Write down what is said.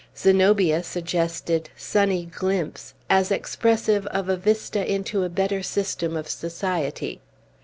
Zenobia suggested "Sunny Glimpse," as expressive of a vista into a better system of society.